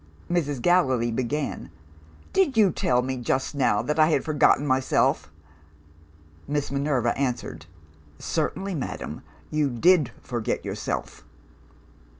"Mrs. Gallilee began. 'Did you tell me just now that I had forgotten myself?' "Miss Minerva answered, 'Certainly, madam. You did forget yourself.